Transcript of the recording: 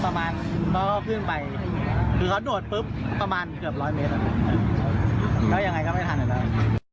เขาก็ขึ้นไปคือเขาโดดปุ๊บประมาณเกือบร้อยเมตรก็ยังไงก็ไม่ทันอยู่แล้ว